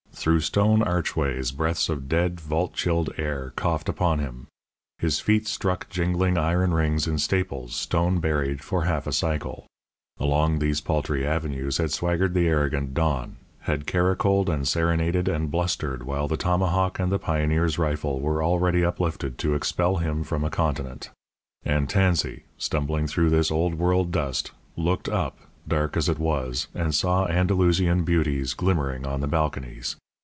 Through stone archways breaths of dead, vault chilled air coughed upon him; his feet struck jingling iron rings in staples stone buried for half a cycle. Along these paltry avenues had swaggered the arrogant Don, had caracoled and serenaded and blustered while the tomahawk and the pioneer's rifle were already uplifted to expel him from a continent. And Tansey, stumbling through this old world dust, looked up, dark as it was, and saw Andalusian beauties glimmering on the balconies.